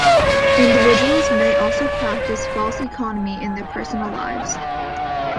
Individuals may also practise false economy in their personal lives.